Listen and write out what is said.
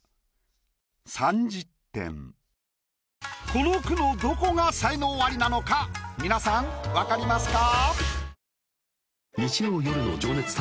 この句のどこが才能アリなのか皆さんわかりますか？